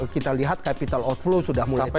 kita lihat capital outflow sudah mulai